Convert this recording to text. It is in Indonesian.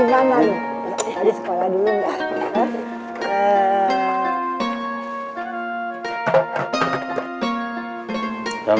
biar pak haji biar sayang